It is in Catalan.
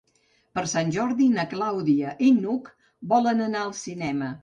Per Sant Jordi na Clàudia i n'Hug volen anar al cinema.